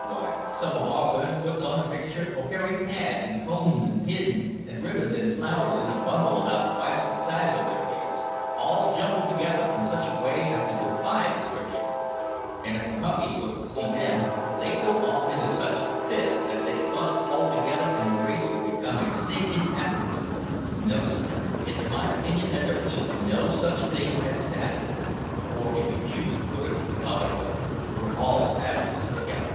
W'y, some of our women puts on a mixture o' hairy pads, an' combs, an' pins, an' ribbons, an' flowers, in a bundle about twice the size o' their heads, all jumbled together in such a way as to defy description; an' if the monkeys was to see them, they'd go off into such fits that they'd bu'st altogether an' the race would become extinct in Afriky. No, sir; it's my opinion that there ain't no such thing as savages or, if you choose to put it the tother way, we're all savages together."